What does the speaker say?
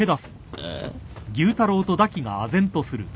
ああ。